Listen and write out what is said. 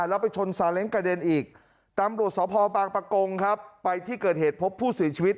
แล้วไปชนซาเล้งกระเด็นอีกตามบริษัทสภปากปะโกงไปที่เกิดเหตุพบผู้สีชีวิต